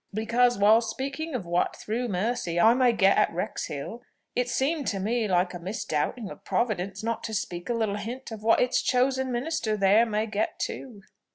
"Because, while speaking of what, through mercy, I may get at Wrexhill, it seemed to me like a misdoubting of Providence not to speak a little hint of what its chosen minister there may get too."